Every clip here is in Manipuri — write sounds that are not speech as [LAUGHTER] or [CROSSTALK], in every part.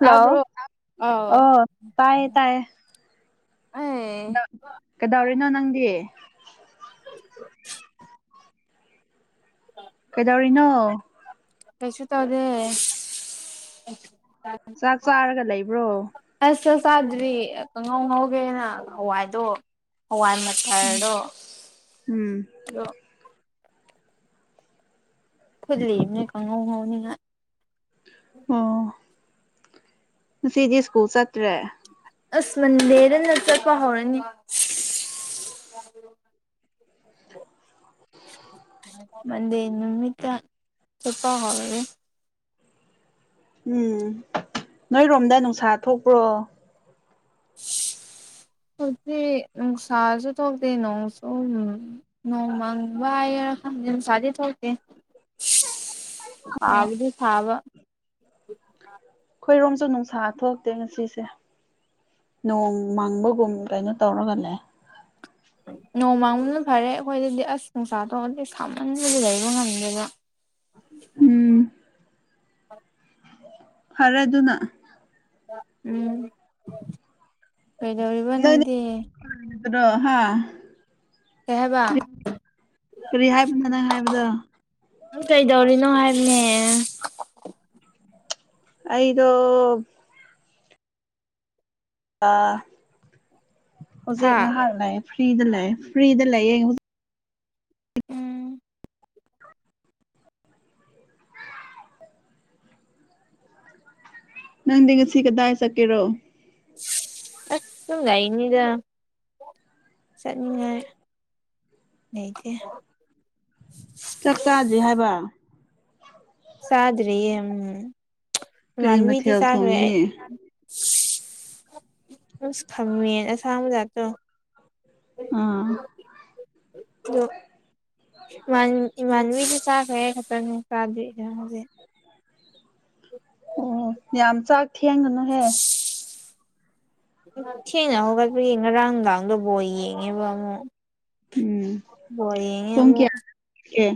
ꯇꯥꯕ꯭ꯔꯣ ꯑꯥꯎ ꯑꯣ ꯇꯥꯏꯌꯦ ꯇꯥꯏꯌꯦ ꯑꯩ ꯀꯩꯗꯧꯔꯤꯅꯣ ꯅꯪꯗꯤ ꯀꯩꯗꯧꯔꯤꯅꯣ ꯀꯩꯁꯨ ꯇꯧꯗꯦ ꯆꯥꯛ ꯆꯥꯔꯒ ꯂꯩꯕ꯭ꯔꯣ ꯑꯁ ꯆꯠ ꯆꯥꯗꯔꯤ ꯀꯪꯉꯧ ꯉꯧꯒꯦꯅ ꯍꯥꯋꯥꯏꯗꯣ ꯍꯥꯋꯥꯏ‌ ꯃꯊꯔꯗꯣ‌‌‌‌ ꯎꯝ ꯑꯗꯣ ꯐꯨꯠꯂꯤꯅꯦ ‌ꯀꯥꯡꯍꯧ ꯉꯧꯅꯤꯡꯉꯥꯏ ꯎꯝ ꯉꯁꯤꯗꯤ ꯁ꯭ꯀꯨꯜ ꯆꯠꯇ꯭ꯔꯦ ꯑꯁ‌ꯃꯟꯗ‌‌‌‌ ꯆꯔꯄ ꯍꯧꯔꯅꯤ [INAUDIBLE] [INAUDIBLE] ꯃꯟꯗꯦ ꯅꯨꯃꯤꯠꯇ ꯆꯠꯄ ‌ꯍꯧꯔꯒꯦ ꯎꯝ ꯅꯣꯏꯔꯣꯝꯗ ꯅꯨꯡꯁꯥ ꯊꯣꯛꯄ꯭ꯔꯣ [INAUDIBLE] ꯊꯣꯛꯇꯦ ꯅꯪꯁꯥꯁꯨ‌ ꯊꯣꯛꯇꯦ ꯅꯣꯡꯁꯨ ꯎꯝ ꯅꯣꯡꯃꯪꯕ ꯍꯥꯏꯒꯦꯔ‌‌‌ꯈꯪꯗꯦ ꯅꯪꯁꯥꯗꯤ‌ ꯊꯣꯛꯇꯦ [INAUDIBLE] ꯑꯥꯒꯤꯗꯤ ꯐꯥꯕ ꯑꯩꯈꯣꯏꯔꯣꯝꯁꯨ ꯅꯨꯡꯁꯥ ꯊꯣꯛꯛꯇꯦ ꯉꯁꯤꯁꯦ ꯅꯣꯡ ꯃꯥꯡꯕꯒꯨꯝ ꯀꯩꯅꯣ ꯇꯧꯔꯒ ꯂꯩ ꯅꯣꯡꯃꯥꯡꯕꯗ ꯐꯔꯦ ꯑꯩꯈꯣꯏꯗꯗꯤ ꯑꯁ ꯅꯨꯡꯁꯥ ꯇꯣꯗꯤ ꯈꯃꯟꯕꯗꯤ ꯂꯩꯕ ꯉꯝꯗꯦꯕ ꯎꯝ ꯐꯔꯦ ꯑꯗꯨꯅ ꯎꯝ ꯀꯩꯗꯧꯔꯤꯕ ꯅꯣꯏꯗꯤ ꯭ꯔꯣ ꯍꯥ ꯀꯩ‌‌‌ ꯍꯥꯏꯕ ꯀꯔꯤ ꯀꯔꯤ ꯍꯥꯏꯕꯅꯣ ꯅꯪ ꯍꯥꯏꯕꯗꯣ ꯅꯪ ꯀꯩꯗꯧꯔꯤꯅꯣ ꯍꯥꯏꯕꯅꯦ ꯑꯩꯗꯣ ꯑ ꯍꯧꯖꯤꯛ ꯍꯥꯥ ꯉꯥꯏꯍꯥꯛ ꯂꯩꯌꯦ ꯐ꯭ꯔꯤꯗ ꯂꯩꯌꯦ ꯐ꯭ꯔꯤꯗ ꯂꯩꯌꯦ ꯍꯨ ꯎꯝ ꯅꯪꯗꯤ ꯉꯁꯤ ꯀꯗꯥꯏ ꯆꯠꯀꯦꯔꯣ ꯑꯁ ꯁꯨꯝ ꯂꯩꯕꯅꯤꯗ ꯆꯠꯅꯤꯡꯉꯥꯏ ꯂꯩꯇꯦ ꯆꯥꯛ ꯆꯥꯗ꯭ꯔꯤ ꯍꯥꯏꯕ ꯁꯥꯗ꯭ꯔꯤꯌꯦ ꯑꯝ ꯀꯔꯤ ꯏꯃꯥꯟꯅꯕꯤꯗꯤ ꯃꯊꯦꯜ ꯆꯥꯒꯔꯦ ꯊꯣꯡꯒꯅꯤ ꯑꯁ ꯈꯪꯉꯦ ꯑꯁꯥꯡꯕꯖꯥꯠꯇꯣ ꯑ [UNINTELLIGIBLE] ꯏꯃꯥꯟ ꯏꯃꯥꯟꯅꯕꯤꯖꯄ ꯆꯥꯈ꯭ꯔꯦ ꯑꯩ ꯈꯠꯇꯅꯤ ꯆꯥꯗ꯭ꯔꯤꯖꯦ ꯍꯧꯖꯤꯛ ꯎꯝ ꯌꯥꯝ ꯆꯥꯛ ꯊꯦꯡꯒꯅꯨꯍꯦ ꯌꯥꯝ ꯊꯦꯡꯅ ꯍꯧꯒꯠꯄꯒꯤ ꯉꯔꯥꯡ ꯅꯨꯡꯗꯥꯥꯡꯗꯣ ꯕꯣꯜ ꯌꯦꯡꯉꯦꯕ ꯑꯃꯨꯛ ꯎꯝ ꯕꯣꯜ ꯌꯦꯡꯉꯦ ꯑꯃꯨꯛ ꯑꯦ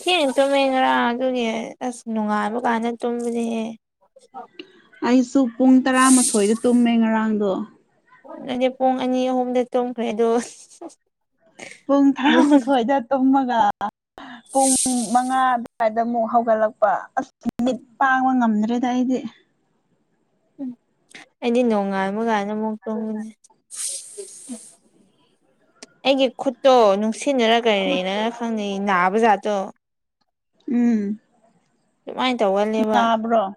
ꯊꯦꯡ ꯇꯨꯝꯃꯦ ꯉꯔꯥꯡ ꯑꯗꯨꯒꯤ ꯑꯁ ꯅꯣꯡꯉꯥꯟꯕ ꯀꯥꯟꯗ ꯇꯨꯝꯕꯅꯤꯍꯦ ꯑꯩꯁꯨ ꯄꯨꯡ ꯇꯔꯥꯃꯥꯊꯣꯏꯗ ꯇꯨꯝꯃꯦ ꯉꯔꯥꯡꯗꯣ ꯅꯪꯗꯤ ꯄꯨꯡ ꯑꯅꯤ ꯑꯍꯨꯝꯗ ꯇꯣꯡꯈ꯭ꯔꯦꯗꯣ ꯄꯨꯡ ꯇꯔꯥꯃꯊꯣꯏꯗ ꯇꯨꯝꯃꯒ ꯄꯨꯡ ꯨꯃꯉꯥ ꯑꯗꯨꯋꯥꯏꯗꯃꯨꯛ ꯍꯧꯒꯠꯂꯛꯄ ꯑꯁ ꯃꯤꯠ ꯄꯥꯡꯕ ꯉꯝꯗ꯭ꯔꯦꯗ ꯑꯩꯗꯤ ꯎꯝ ꯑꯩꯗꯤ ꯅꯣꯡꯉꯥꯟꯕ ꯀꯥꯟꯗ ꯑꯃꯨꯛ ꯑꯨꯝꯕꯅꯤ ꯑꯩꯒꯤ ꯈꯨꯠꯇꯣ ꯅꯨꯡꯁꯤꯠꯅꯔ ꯀꯔꯤꯅꯔ ꯈꯪ ꯅꯥꯕ ꯖꯥꯠꯇꯣ ꯎꯝ ꯗꯨꯃꯥꯏ ꯇꯧꯒꯜꯂꯦꯕ ꯅꯥꯕ꯭ꯔꯣ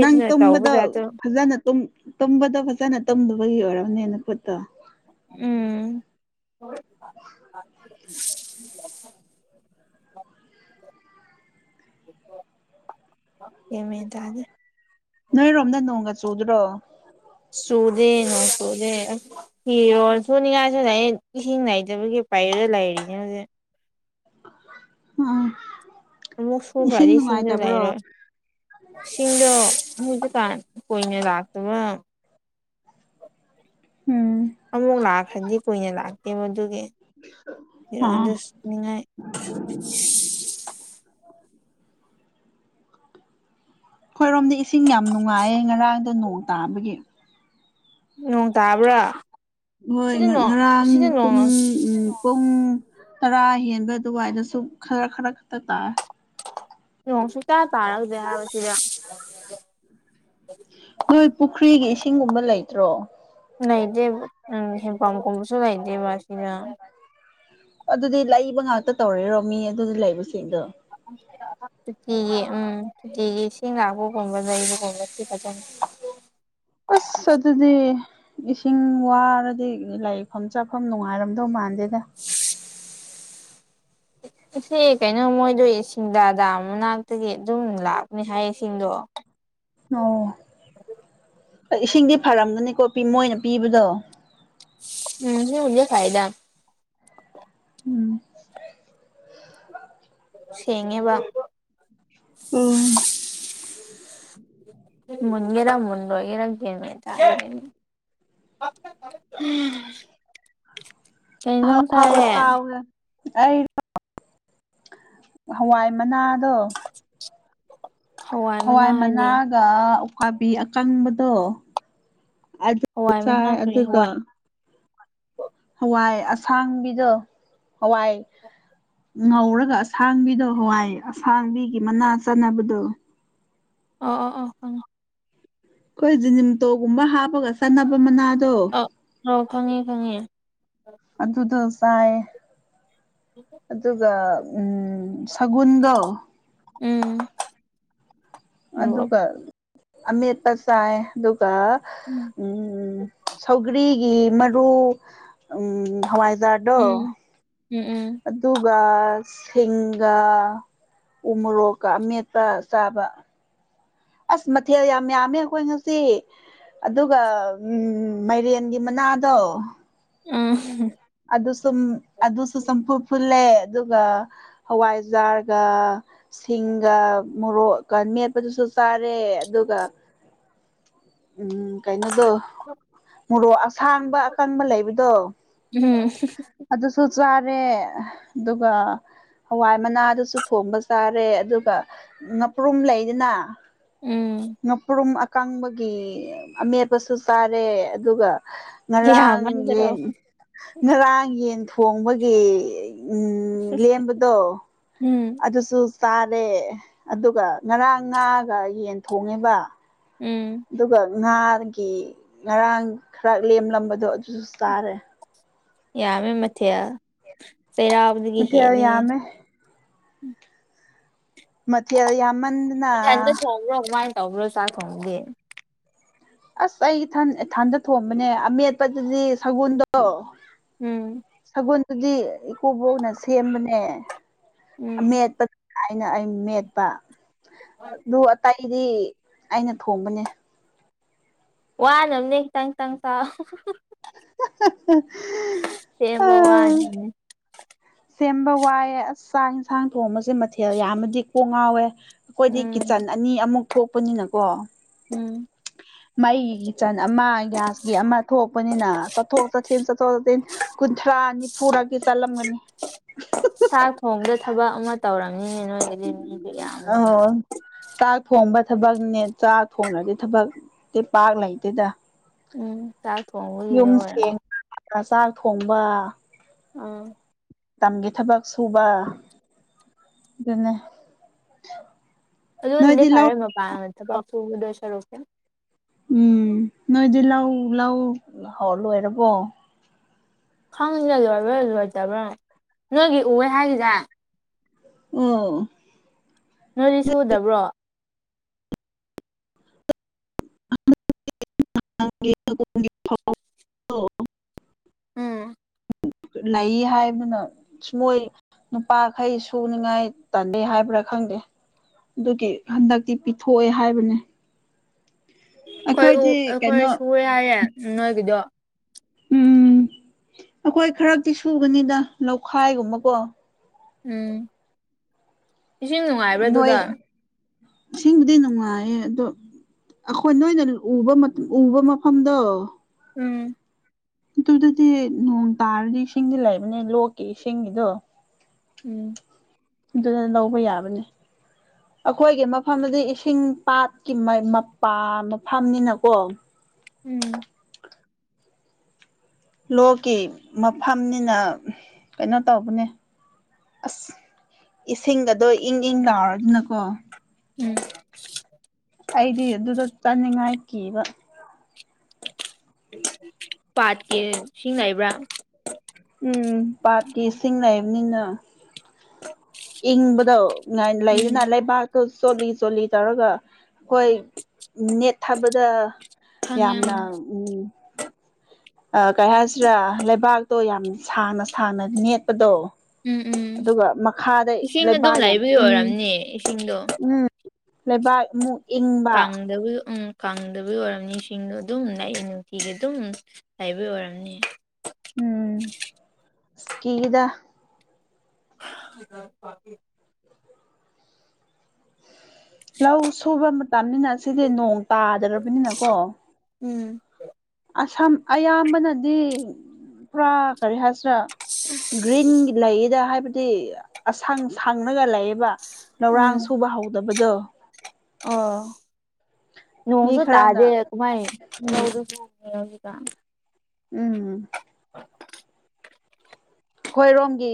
ꯅꯪ ꯇꯧꯕ ꯇꯨꯝꯕꯗꯣ ꯖꯥꯠꯇꯣ ꯐꯖꯅ ꯇꯨꯝ ꯇꯨꯝꯕꯗꯣ ꯐꯖꯅ ꯇꯨꯝꯗꯕꯒꯤ ꯑꯣꯏꯔꯝꯅꯤ ꯅꯈꯨꯠꯇꯣ ꯎꯝ [UNINTELLIGIBLE] [UNINTELLIGIBLE] ꯒ꯭ꯥꯟ ꯃꯦꯟ ꯇꯥꯗꯦ ꯅꯣꯏꯔꯣꯝꯗ ꯅꯣꯡꯒ ꯆꯨꯗ꯭ꯔꯣ ꯆꯨꯗꯦ ꯅꯣꯡ ꯆꯨꯗꯦ ꯐꯤꯔꯣꯜ ꯁꯨꯅꯤꯡꯉꯥꯏꯁꯨ ꯂꯩꯌꯦ ꯏꯁꯤꯡ ꯅꯥꯏꯇꯕꯒꯤ ꯄꯩꯔ ꯂꯩꯔꯤꯅꯦ ꯍꯧꯖꯤꯛ ꯎꯝ ꯎꯝ ꯑꯃꯨꯛ ꯁꯨꯈ꯭ꯔ ꯏꯁꯤꯡꯖꯨ ꯂꯩꯔꯣꯏ ꯏꯁꯤꯡꯗꯣ [UNINTELLIGIBLE] ꯀꯥꯟ ꯀꯨꯏꯅ ꯂꯥꯛꯇꯕ ꯎꯝ ꯑꯃꯨꯛ ꯂꯥꯛꯈ꯭ꯔꯗꯤ ꯀꯨꯏꯅ ꯂꯥꯛꯇꯦꯕ ꯃꯗꯨꯒꯤ ꯑꯥ ꯐꯤꯔꯣꯜꯗꯣ ꯁꯨꯅꯤꯡꯉꯥꯏ [UNINTELLIGIBLE] ꯑꯩꯈꯣꯏꯔꯣꯝꯗꯤ ꯏꯁꯤꯡ ꯌꯥꯝ ꯅꯨꯡꯉꯥꯏꯌꯦ ꯉꯔꯥꯡꯗꯣ ꯅꯣꯡ ꯇꯥꯕꯒꯤ ꯅꯣꯡ ꯇꯥꯕ꯭ꯔ ꯍꯣꯏ ꯉ ꯉꯔꯥꯡ ꯄꯨꯡ ꯎꯝ ꯄꯨꯡ ꯇꯔꯥ ꯍꯦꯟꯕ ꯑꯗꯨꯋꯥꯏꯗꯁꯨ ꯈꯔ ꯈꯔ ꯈꯛꯇ ꯇꯥꯏ ꯅꯣꯡ ꯁꯨꯛꯇꯥ ꯇꯥꯔꯛꯗꯦ ꯍꯥꯏꯕ ꯁꯤꯗ ꯅꯣꯏ ꯄꯨꯈ꯭ꯔꯤꯒꯤ ꯏꯁꯤꯡꯒꯨꯝꯕ ꯂꯩꯇ꯭ꯔꯣ ꯂꯩꯗꯦꯕ ꯎꯝ ꯍꯦꯟꯄꯝꯀꯨꯝꯕꯁꯨ ꯂꯩꯗꯦꯕ ꯁꯤꯗ ꯑꯗꯨꯗꯤ ꯂꯩꯕ ꯉꯥꯛꯇ ꯇꯧꯔꯔꯣ ꯃꯤ ꯑꯗꯨꯗ ꯂꯩꯕꯁꯤꯡꯗꯣ꯫ [INAUDIBLE] ꯁꯨꯇꯤꯒꯤ ꯎꯝ ꯁꯨꯇꯤꯒꯤ ꯏꯁꯤꯡ ꯂꯥꯛꯄꯒꯨꯝꯕ ꯂꯩꯕꯒꯨꯝꯕ ꯁꯤ ꯐꯖꯅ ꯑꯁ ꯑꯗꯨꯗꯤ ꯏꯁꯤꯡ ꯋꯥꯔꯗꯤ ꯂꯥꯏꯛꯐꯝ ꯆꯥꯐꯝ ꯅꯨꯡꯉꯥꯏꯔꯝꯗꯧ ꯃꯥꯟꯗꯦꯗ꯫ ꯏꯁꯦ ꯀꯩꯅꯣ ꯃꯣꯏꯗꫭ ꯁꯤꯡꯗꯥ ꯗꯥꯝ ꯃꯅꯥꯛꯇꯒꯤ ꯑꯗꯨꯝ ꯂꯥꯛꯄꯅꯦ ꯍꯥꯏꯌꯦ ꯏꯁꯤꯡꯗꯣ꯫ ꯑꯣ ꯑ ꯏꯁꯤꯡꯗꯤ ꯐꯔꯝꯒꯅꯤꯀꯣ ꯄꯤ ꯃꯣꯏꯅ ꯄꯤꯕꯗꯣ꯫ [INAUDIBLE] ꯐꯥꯏꯗ꯫ ꯎꯝ ꯁꯦꯡꯉꯦꯕ꯫ ꯑꯣ ꯃꯨꯟꯒꯦꯔ ꯃꯨꯟꯔꫭꯏꯒꯦꯔ ꯒ꯭ꯌꯥꯟ ꯃꯦꯟ [UNINTELLIGIBLE] [UNINTELLIGIBLE] ꯀꯩ ꯍꯤꯟꯖꯥꯡ ꯆꯥꯔꯦ꯫ ꯑꯩꯔꫭ ꯍꯋꯥꯏ ꯃꯅꯥꯗꫭ [UNINTELLIGIBLE] ꯃꯅꯥ ꯍꯋꯥꯏ ꯍꯥꯏꯗꯤ ꯃꯅꯥꯒ ꯎꯈꯥꯕꯤ ꯑꯀꯪꯕꯗꯣ ꯑꯗꯨ ꯍꯋꯥꯏ ꯆꯥꯑꯦ ꯃꯅꯥ ꯀꯔꯤ ꯑꯗꯨꯒ ꯍꯋꯥꯏ ꯍꯋꯥꯏ ꯑꯁꯥꯡꯕꯤꯗꯣ ꯍꯋꯥꯏ ꯉꯧꯔꯒ ꯑꯁꯥꯡꯕꯤꯗꯣ ꯍꯋꯥꯏ ꯑꯁꯥꯡꯕꯤꯒꯤ ꯃꯅꯥ ꯆꯥꯅꯕꯗꯣ꯫ ꯑꯣ ꯑꯣ ꯑꯣ ꯈꯪꯉꯦ꯫ ꯑꯈꯣꯏ ꯖꯤꯅꯤꯝꯇꯣꯒꯨꯝꯕ ꯍꯥꯞꯄꯒ ꯆꯥꯟꯅꯕ ꯃꯅꯥꯗꯣ꯫ ꯑ ꯑꯣ ꯈꯪꯉꯦ-ꯈꯪꯉꯦ꯫ ꯑꯗꯨꯗꫭ ꯆꯥꯑꯦ꯫ [INAUDIBLE] ꯑꯗꯨꯒ ꯎꯝ ꯁꯒꯨꯟꯗꫭ ꯎꯝ ꯃꯣꯔꯣꯛ ꯑꯗꯨꯒ ꯑꯃꯦꯠꯄ ꯆꯥꯑꯦ꯫ ꯑꯗꯨꯒ ꯎꯝ ꯁꯧꯒ꯭ꯔꯤ ꯒꯤ ꯃꯔꯨ ꯎꯝ ꯍꯋꯥꯏꯖꯥꯔꯗꯣ ꯎꯝ ꯎꯝ ꯑꯗꯨꯒ ꯁꯤꯡꯒꯥ ꯎ ꯃꯣꯔꯣꯛꯀ ꯑꯃꯦꯠꯄ ꯆꯥꯕ꯫ ꯑꯁ ꯃꯊꯦꯜ ꯌꯥꯝ ꯌꯥꯝꯃꯦ ꯑꯈꯣꯏ ꯉꯁꯤ꯫ ꯑꯗꯨꯒ ꯃꯥꯏꯔꯦꯟꯒꯤ ꯃꯅꯥꯗꯣ [UNINTELLIGIBLE] ꯑꯗꯨ ꯁꯨꯝ ꯑꯗꯨꯁꯨ ꯆꯝꯐꯨꯠ ꯐꯨꯠꯂꯦ ꯑꯗꯨꯒ ꯍꯋꯥꯏꯖꯥꯔꯒ ꯁꯤꯡꯒ ꯃꯣꯔꯣꯛꯀ ꯃꯦꯠꯄꯗꯨꯁꯨ ꯆꯥꯔꯦ ꯑꯗꯨꯒ ꯎꯝ ꯀꯩꯅꯣꯗꯣ ꯃꯣꯔꯣꯛ ꯑꯁꯥꯡꯕ ꯑꯀꯪꯕ ꯂꯩꯕꯗꯣ꯫ [UNINTELLIGIBLE] ꯑꯗꯨꯁꯨ ꯆꯥꯔꯦ ꯑꯗꯨꯒ ꯍꯋꯥꯏ ꯃꯅꯥꯗꯨꯁꯨ ꯊꯣꯡꯕ ꯆꯥꯔꯦ ꯑꯗꯨꯒ ꯉꯄ꯭ꯔꯨꯝ ꯂꯩꯗꯅ ꯎꯝ ꯉꯥꯄ꯭ꯔꯨꯝ ꯑꯀꯪꯕꯒꯤ ꯑꯃꯦꯠꯄꯁꯨ ꯆꯥꯔꯦ ꯑꯗꯨꯒ ꯉꯔꯥꯡ ꯌꯥꯝꯃꯟꯗ꯭ꯔꯣ ꯌꯦꯟ ꯉꯔꯥꯡ ꯌꯦꯟ ꯊꯣꯡꯕꯒꯤ ꯎꯝ ꯂꯦꯝꯕꯗꯣ ꯎꯝ ꯑꯗꯨꯁꯨ ꯆꯥꯔꯦ ꯑꯗꯨꯒ ꯉꯔꯥꯡ ꯉꯥꯒ ꯌꯦꯟ ꯊꯣꯡꯉꯦꯕ ꯎꯝ ꯑꯗꯨꯒ ꯉꯥꯒꯤ ꯉꯔꯥꯡ ꯈꯔ ꯂꯦꯝꯂꯝꯕꯗꯣ ꯑꯗꯨꯁꯨ ꯆꯥꯔꯦ ꯌꯥꯝꯃꯦ ꯃꯊꯦꯜ ꯆꯩꯔꯥꯎꯕꯗꯒꯤ ꯃꯊꯦꯜ ꯍꯦꯜꯂꯦꯍꯦ ꯌꯥꯝꯃꯦ ꯃꯊꯦꯜ ꯌꯥꯝꯃꯟꯗ ꯏꯊꯟꯗ ꯊ‌ꯣꯡꯕ꯭ꯔ‌ꯣ ꯀꯃꯥꯏ ꯇꯧꯕ꯭ꯔꯣ ꯆꯥꯛ ꯊꯣꯡꯕꯗꯤ ꯑꯁ ꯑꯩ ꯏꯊꯟ ꯏꯊꯟꯗ ꯊꯣꯡꯕꯅꯦ ꯑꯃꯦꯠꯄꯗꯨꯗꯤ ꯁꯒꯣꯜꯗꯣ ꯎꯝ ꯁꯒꯣꯟꯗꯨꯗꯤ ꯏꯀꯨꯕꯣꯛꯅ ꯁꯦꯝꯕꯅꯦ ꯎꯝ ꯑꯃꯦꯠꯄ ꯗꯥꯏꯅ ꯑꯩꯅ ꯃꯦꯠꯄ ꯑꯗꯨ ꯑꯇꯥꯏ ꯒꯤꯗꯤ ꯑꯩꯅ ꯊꯣꯡꯕꯅꯦ ꯋꯥꯅꯝꯅꯦ ꯈꯤꯇꯪ ꯈꯤꯇꯪ ꯆꯥꯎ [UNINTELLIGIBLE] ꯐꯦꯡꯕ ꯋꯥꯅꯝꯅꯤ ꯁꯦꯝꯕ ꯋꯥꯏꯌ‌ꯦ ꯑꯁ ꯆꯥꯛ ꯍꯤꯟꯁꯥꯡ ꯊꯣꯡꯕꯁꯦ ꯃꯊꯦꯜ ꯌꯥꯝꯃꯗꯤ ꯀꯣꯛ ꯉꯥꯎꯋꯦ ꯑꯩꯈꯣꯏꯗꯤ ꯎꯝ ꯀꯤꯠꯆꯟ ꯑꯅꯤ ꯑꯃꯨꯛ ꯊꯣꯛꯄꯅꯤꯅꯀꯣ ꯎꯝ ꯃꯩꯒꯤ ꯀꯤꯠꯆꯟ ꯑꯃ ꯒ꯭ꯌꯥꯁꯀꯤ ꯑꯃ ꯊꯣꯛꯄꯅꯤꯅ ꯆꯠꯊꯣꯛ ꯆꯠꯁꯤꯟ ꯆꯠꯊꯣꯛ ꯆꯠꯁꯤꯟ ꯀꯨꯟꯊ꯭ꯔꯥ ꯅꯤꯐꯨꯔꯛꯇꯤ ꯆꯠꯂꯝꯒꯅꯤ ꯆꯥꯛ ꯊꯣꯡꯕꯗ ꯊꯕꯛ ꯑꯃ ꯇꯧꯔꯝꯅꯤꯅꯦ ꯅꯣꯏꯒꯤꯗꯤ ꯃꯤꯗꯤ ꯌꯥꯝꯕꯅꯤꯅ ꯑ ꯆꯥꯛ ꯊꯣꯡꯕ ꯊꯕꯛꯅꯦ ꯆꯥꯛ ꯊꯣꯡꯉꯗꯤ ꯊꯕꯛ ꯇꯤ ꯄꯥꯛ ꯂꯩꯇꯦꯗ ꯎꯝ ꯆꯥꯛ ꯊꯣꯡꯕꯒꯤ ꯑꯣꯏꯔꯝ ꯑ ꯆꯥꯛ ꯊꯣꯡꯕ ꯑꯥ ꯇꯝꯒꯤ ꯊꯕꯛ ꯁꯨꯕ ꯑꯗꯨꯅꯦ ꯑꯗꯨꯅꯗꯤ ꯅꯣꯏꯗꯤ ꯂꯧ ꯐꯔꯦ ꯃꯄꯥꯟꯗ ꯊꯕꯛ ꯁꯨꯒꯗꯨꯏ ꯁꯔꯨꯛꯇꯤ ꯎꯝ ꯅꯣꯏꯗꯤ ꯂꯧ ꯂꯧ ꯍꯧ ꯂꯣꯏꯔꯕꯣ ꯈꯪꯗꯦ ꯂꯣꯏꯕ꯭ꯔꯥ ꯂꯣꯏꯗꯕ꯭ꯔꯥ ꯅꯣꯏꯒꯤ ꯎꯋꯦ ꯍꯥꯏꯒꯤꯗꯥꯏ ꯎꯝ ꯅꯣꯏꯗꯤ ꯁꯨꯗꯕ꯭ꯔꯣ [INAUDIBLE] ꯎꯝ ꯂꯩꯌꯦ ꯍꯥꯏꯕꯅ‌ꯣ ꯃꯣꯏ ꯅꯨꯄꯥꯈꯩ ꯁꯨꯅꯉꯥꯏ ꯇꯜꯂꯦ ꯍꯥꯏꯕ꯭ꯔꯥ ꯈꯪꯗꯦ ꯗꯨꯒꯤ ꯍꯟꯗꯛꯇꯤ ꯄꯤꯊꯣꯛꯑꯦ ꯍꯥꯏꯕꯅꯦ ꯑꯩꯈꯣꯏ ꯎ ꯑꯩꯈꯣꯏꯗꯤ ꯑꯩꯈꯣꯏ ꯀꯩꯅꯣ ꯁꯨꯌ‌ꯦ ꯌꯥꯏꯌꯦ ꯅꯣꯏꯒꯤꯗꯣ ꯎꯝ ꯑꯩꯈꯣꯏ ꯈꯔꯛꯇꯤ ꯁꯨꯕꯅꯤꯗ ꯂꯧꯈꯥꯏꯒꯨꯝꯕꯀꯣ ꯎꯝ ꯏꯁꯤꯡ ꯅꯨꯡꯉꯥꯏꯕ꯭ꯔꯥ ꯅꯣꯏ ꯑꯗꯨꯗ ꯏꯁꯤꯡꯕꯨꯗꯤ ꯅꯨꯡꯉꯥꯏꯌꯦ ꯑꯗꯣ ꯑꯈꯣꯏ ꯅꯣꯏꯅ ꯎꯕ ꯎꯕ ꯃꯐꯝꯗꯣ ꯎꯝ ꯑꯗꯨꯗꯗꯤ ꯅꯣꯡ ꯇꯥꯔꯗꯤ ꯏꯁꯤꯡꯗꯤ ꯂꯩꯥꯕꯅꯦ ꯂꯣꯛꯀꯤ ꯏꯁꯤꯡꯒꯤꯗꯣ ꯎꯝ ꯑꯗꯨꯗ ꯂꯧꯕ ꯌꯥꯕꯅꯦ ꯑꯩꯈꯣꯏꯒꯤ ꯃꯐꯝꯗꯨꯗꯤ ꯏꯁꯤꯡ ꯄꯥꯠꯀꯤ ꯃ ꯃꯄꯥ ꯃꯐꯝꯅꯤꯅꯀꯣ ꯎꯝ ꯂꯣꯛꯀꯤ ꯃꯐꯝꯅꯤꯅ ꯀꯩꯅꯣ ꯇꯧꯕꯅꯦ ꯑꯁ ꯏꯁꯤꯡꯒꯗꯣ ꯏꯪ ꯏꯪ ꯂꯥꯎꯔꯗꯅꯀꯣ ꯎꯝ ꯑꯩꯗꯤ ꯑꯗꯨꯗ ꯆꯥꯅꯤꯡꯉꯥꯏ ꯀꯤꯕ ꯄꯥꯠꯀꯤ ꯏꯁꯤꯡꯅꯩꯕ꯭ꯔꯥ ꯎꯝ ꯄꯥꯠꯀꯤ ꯏꯁꯤꯡ ꯅꯩꯕꯅꯤꯅ ꯏꯪꯕꯗꯣ ꯎꯝ ꯂꯩꯗꯅ ꯂꯩꯕꯥꯛꯇꯨ ꯆꯣꯠꯂꯤ ꯆꯣꯠꯂꯤ ꯇꯧꯔꯒ ꯑꯩꯈꯣꯏ ꯅꯦꯠ ꯊꯕꯗ ꯈꯪꯉꯦ ꯌꯥꯝꯅ ꯎꯝ ꯀꯩ ꯍꯥꯏꯁꯤꯔꯥ ꯂꯩꯕꯥꯛꯇꯣ ꯌꯥꯝꯅ ꯁꯥꯡꯅ ꯁꯥꯡꯅ ꯅꯦꯠꯄꯗꯣ ꯎꯝ ꯎꯝ ꯑꯗꯨꯒ ꯃꯈꯥꯗ ꯂꯩꯕ ꯌꯥꯝ ꯏꯪ ꯆꯤꯡꯗꯣ ꯎꯝ ꯂꯩꯕꯥꯛ ꯃꯨꯛ ꯀꯪꯗꯕꯨ ꯎꯝ ꯀ ꯪꯗꯕꯒꯤ ꯑꯣꯏꯔꯝꯅꯤ ꯁꯤꯡꯗꯣ ꯑꯗꯨꯝ ꯅꯨꯡꯇꯤꯒꯤ ꯑꯗꯨꯝ ꯂꯩꯕ ꯑꯣꯏꯔꯝꯅꯤ ꯎꯝ ꯁꯀꯤꯗꯥ [INAUDIBLE] ꯂꯧ ꯁꯨꯕ ꯃꯇꯝꯅꯤꯅ ꯁꯤꯗꯤ ꯅꯣꯡ ꯇꯥꯗ꯭ꯔꯕꯅꯤꯅ ꯀꯣ ꯎꯝ ꯑꯁꯝ ꯑꯌꯥꯝꯕꯅꯗꯤ ꯈꯔꯥ ꯀꯔꯤ ꯍꯥꯏꯁꯤꯔꯥ ꯒ꯭ꯔꯤꯟꯒꯤ ꯂꯩꯗ ꯍꯥꯏꯕꯗꯤ ꯑ ꯁꯪꯡ ꯁꯪꯂꯒ ꯂꯩꯏ ꯂꯧꯔꯥꯡ ꯎꯝ ꯁꯨꯕ ꯍꯧꯗꯕꯗꯣ ꯑꯣ ꯃꯤ ꯅꯣꯡꯁꯨ ꯇꯥꯗꯦ ꯈꯔꯅ ꯀꯃꯥꯏ ꯎꯝ ꯂꯧ ꯁꯨꯗꯧꯔꯤꯕ ꯎꯝ [INAUDIBLE] ꯍꯣꯏꯔꯣꯡꯒꯤ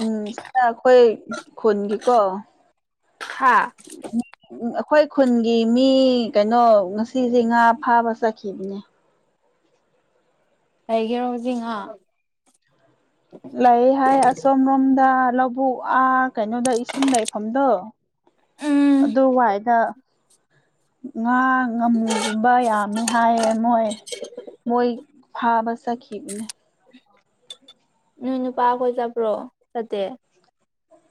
ꯎꯝ ꯁꯤꯅ ꯑꯩꯈꯣꯏ ꯈꯨꯟꯒꯤꯀꯣ ꯍꯥꯥ ꯑꯩꯈꯣꯏ ꯈꯨꯟꯒꯤ ꯃꯤ ꯀꯩꯅꯣ ꯉꯁꯤꯁꯦ ꯉꯥ ꯐꯥꯕ ꯆꯠꯈꯤꯕꯅꯦ ꯑꯩꯒꯦꯔꯣ ꯍꯧꯖꯤꯛ ꯉꯥ ꯂꯩ ꯍꯥꯏ ꯑꯁꯣꯝ ꯔꯣꯝꯗ ꯂꯧꯕꯨꯛ ꯑꯥ ꯀꯩꯅꯣꯗ ꯏꯁꯤꯡ ꯂꯩꯐꯝꯗꯣ ꯎꯝ ꯑꯗꯨꯋꯥꯏꯗ ꯉꯥ ꯉꯥꯃꯨꯒꯨꯝꯕ ꯌꯥꯝꯃꯦ ꯍꯥꯏꯌꯦ ꯃꯣꯏ ꯃꯣꯏ ꯐꯥꯕ ꯆꯠꯈꯤꯕꯅꯦ ꯅꯣꯏ ꯅꯨꯄꯥ ꯈꯣꯏ ꯆꯠꯄ꯭ꯔꯣ ꯆꯠꯇꯦ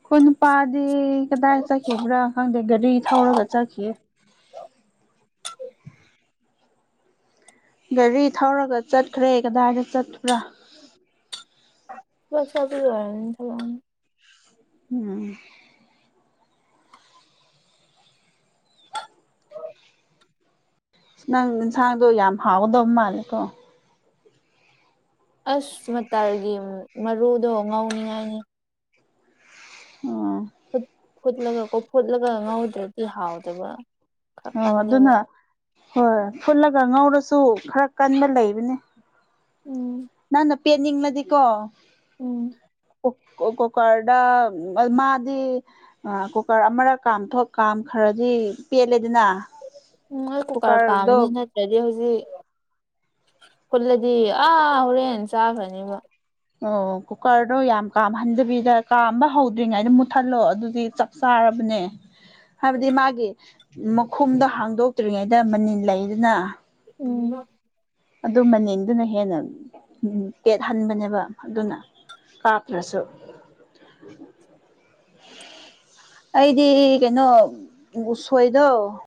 ꯑꯩꯈꯣꯏ ꯅꯨꯄꯥꯗꯤ ꯀꯗꯥꯏ ꯆꯠꯈꯤꯕ꯭ꯔꯥ ꯈꯪꯗꯦ ꯒꯥꯔꯤ ꯊꯧꯔꯒ ꯆꯠꯈꯤꯌꯦ ꯒꯥꯔꯤ ꯊꯧꯔꯒ ꯆꯠꯈ꯭ꯔꯦ ꯀꯗꯥꯏꯗ ꯆꯠꯄ꯭ꯔꯥ [INAUDIBLE] ꯎꯝ ꯅꯪ ꯁꯥꯗꯣ ꯌꯥꯝ ꯍꯥꯎꯒꯗꯧ ꯃꯥꯜꯂꯦꯀꯣ ꯑꯁ ꯃꯇꯥꯜꯒꯤ ꯃꯔꯨꯗꯣ ꯉꯧꯅꯤꯉꯥꯏꯅꯤ ꯑꯣ ꯐꯨꯠꯂꯒ ꯀꯣ ꯐꯨꯠꯂꯒ ꯉꯧꯗ꯭ꯔꯗꯤ ꯍꯥꯎꯗꯕ ꯈꯔ ꯑꯣ ꯀꯜꯂꯦꯕ ꯑꯗꯨꯅ ꯍꯣꯏ ꯐꯨꯠꯂꯒ ꯉꯧꯔꯁꯨ ꯈꯔ ꯀꯟꯕ ꯂꯩꯕꯅꯦ ꯎꯝ ꯅꯪꯅ ꯄꯦꯠꯅꯤꯡꯉꯗꯤꯀꯣ ꯎꯝ ꯀꯣ ꯀꯣꯀꯔꯗ ꯃꯥꯗꯤ ꯑ ꯀꯨꯀꯔ ꯑꯃꯔꯛ ꯀꯥꯝꯊꯣꯛ ꯀꯥꯝ ꯈꯔꯗꯤ ꯄꯦꯠꯂꯦꯗꯅ ꯎꯝ ꯑꯩ ꯀꯨꯀꯔ ꯀꯨꯀꯔꯗꯣ ꯀꯥꯝꯕꯅꯤꯅ ꯁꯤꯗꯗꯤ ꯍꯧꯖꯤꯛ ꯐꯨꯠꯂꯗꯤ ꯑꯥ ꯍꯣꯔꯦꯟ ꯆꯥꯈ꯭ꯔꯅꯦꯕ ꯑꯣ ꯀꯨꯀꯔꯗꯣ ꯌꯥꯝ ꯀꯥꯝꯍꯟꯗꯕꯤꯗ ꯀꯥꯝꯕ ꯍꯧꯗ꯭ꯔꯤꯉꯩꯗ ꯃꯨꯠꯊꯠꯂꯣ ꯑꯗꯨꯗꯤ ꯆꯞ ꯆꯥꯔꯕꯅꯦ ꯍꯥꯏꯕꯗꯤ ꯃꯥꯒꯤ ꯃꯈꯨꯝꯗꯣ ꯍꯥꯡꯗꯣꯛꯇ꯭ꯔꯤꯉꯩꯗ ꯃꯅꯤꯜ ꯂꯩꯗꯅ ꯎꯝ ꯑꯗꯨ ꯃꯅꯤꯟꯗꯨꯅ ꯍꯦꯟꯅ ꯎꯝ ꯀꯦꯠꯍꯟꯕꯅꯦꯕ ꯑꯗꯨꯅ ꯀꯥꯞꯇꯔꯁꯨ ꯑꯩꯗꯤ ꯀꯩꯅꯣ ꯎꯁꯣꯏꯗꯣ